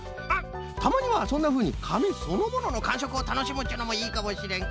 たまにはそんなふうにかみそのもののかんしょくをたのしむっちゅうのもいいかもしれん。